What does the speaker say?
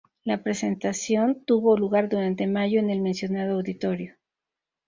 La presentación tuvo lugar durante mayo en el mencionado auditorio.